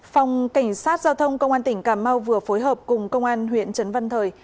phòng cảnh sát giao thông công an tỉnh cà mau vừa phối hợp cùng công an huyện trấn văn thời